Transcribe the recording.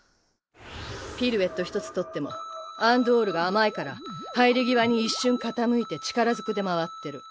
ピルエット１つ取ってもアン・ドゥオールが甘いから入り際に一瞬傾いて力ずくで回ってる。